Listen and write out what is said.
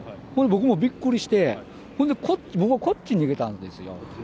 僕もびっくりして、ほんで僕はこっちに逃げたんですよ。